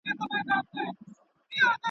عمر تېر سو کفن کښ د خدای په کار سو.